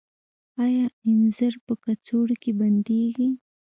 آیا انځر په کڅوړو کې بندیږي؟